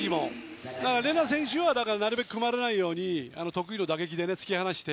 ＲＥＮＡ選手はなるべく止まらないように得意の打撃で突き放して。